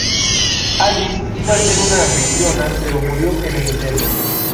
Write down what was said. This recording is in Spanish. Alice iba a ser una anfitriona, pero murió en el intento.